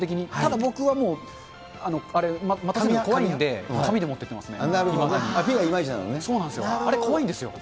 ただ僕はもうあれ、怖いんで、紙で持っていきますね。